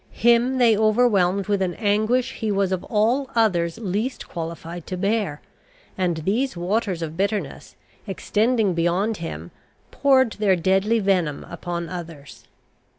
Him they overwhelmed with an anguish he was of all others least qualified to bear; and these waters of bitterness, extending beyond him, poured their deadly venom upon others.